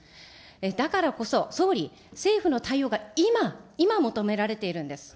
だからこそ、総理、政府の対応が今、今求められているんです。